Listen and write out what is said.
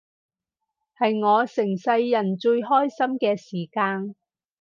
係我成世人最開心嘅時間